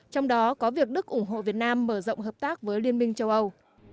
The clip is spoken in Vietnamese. trong đó có việc đức ủng hộ việt nam mở rộng hợp tác với liên minh châu âu